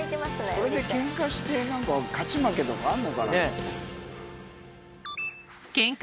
これでケンカして勝ち負けとかあんのかな？